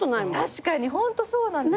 確かにホントそうなんですよね。